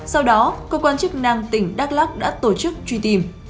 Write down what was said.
sau đó cơ quan chức năng tỉnh đắk lắc đã tổ chức truy tìm